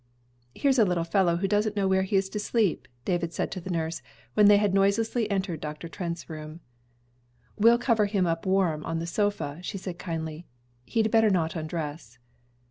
"Here's a little fellow who doesn't know where he is to sleep," David said to the nurse, when they had noiselessly entered Dr. Trent's room. "We'll cover him up warm on the sofa," she said, kindly. "He'd better not undress."